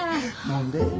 何で？